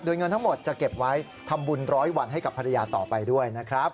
โดยเงินทั้งหมดจะเก็บไว้ทำบุญร้อยวันให้กับภรรยาต่อไปด้วยนะครับ